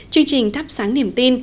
chương trình thắp sáng niềm tin